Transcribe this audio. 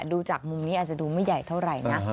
ดูจากมุมนี้อาจจะดูไม่ใหญ่เท่าไหร่นะ